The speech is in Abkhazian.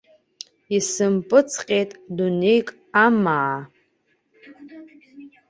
Исымпыҵҟьеит дунеик амаа.